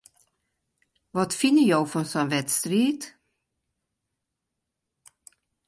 Wat fine jo fan sa'n wedstriid?